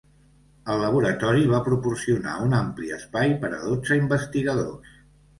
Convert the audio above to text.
El laboratori va proporcionar un ampli espai per a dotze investigadors.